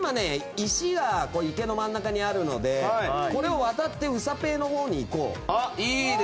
石が池の真ん中にあるのでこれを渡ってうさペイのほうに行こう。